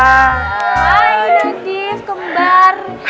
hai nadif kembar